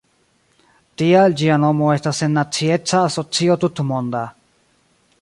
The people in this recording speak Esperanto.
Tial ĝia nomo estas Sennacieca Asocio Tutmonda.